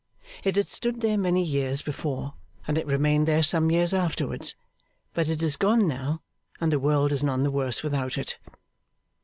It had stood there many years before, and it remained there some years afterwards; but it is gone now, and the world is none the worse without it.